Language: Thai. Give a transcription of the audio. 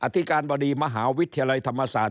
ธิการบดีมหาวิทยาลัยธรรมศาสตร์